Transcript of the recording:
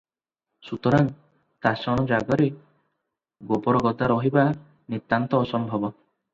ସୁତରାଂ ତାସଣ ଜାଗାରେ ଗୋବରଗଦା ରହିବା ନିତାନ୍ତ ଅସମ୍ଭବ ।